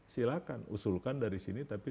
silahkan usulkan dari sini tapi